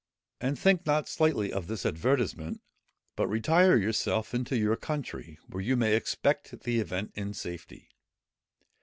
And think not slightly of this advertisement, but retire yourself into your country, where you may expect the event in safety.